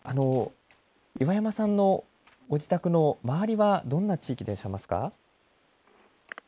岩山さんのご自宅の周りはどんな地域でいらっしゃいますか。